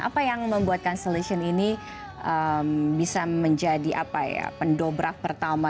apa yang membuat cancellation ini bisa menjadi pendobrak pertama